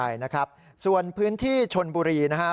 ใช่นะครับส่วนพื้นที่ชนบุรีนะฮะ